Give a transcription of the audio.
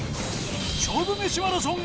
勝負メシマラソン